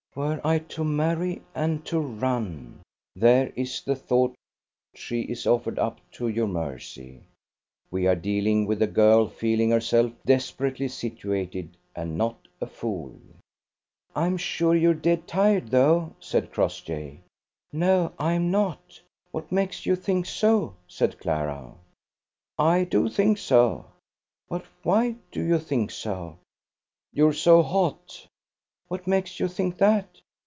"Were I to marry, and to run!" There is the thought; she is offered up to your mercy. We are dealing with a girl feeling herself desperately situated, and not a fool. "I'm sure you're dead tired, though," said Crossjay. "No, I am not; what makes you think so?" said Clara. "I do think so." "But why do you think so?" "You're so hot." "What makes you think that?"